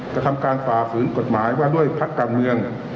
กระทำการฝ่าฝืนกฎหมายว่าด้วยพักการเมือง